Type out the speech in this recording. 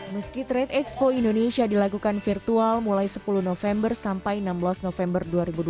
meski trade expo indonesia dilakukan virtual mulai sepuluh november sampai enam belas november dua ribu dua puluh